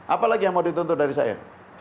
apa lagi yang mau dituntut dari saya